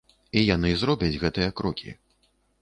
І яны зробяць гэтыя крокі.